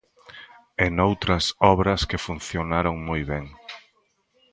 E noutras obras que funcionaron moi ben.